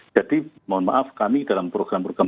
mohon maaf kami dalam program program